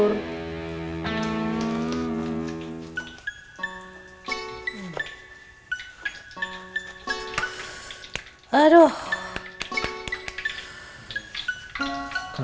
recepet tuh kak